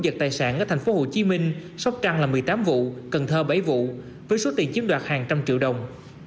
vật tài sản ở thành phố hồ chí minh sóc trăng là một mươi tám vụ cần thơ bảy vụ với số tiền chiếm đoạt hàng trăm triệu đồng